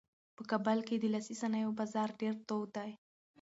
په کابل کې د لاسي صنایعو بازار ډېر تود دی.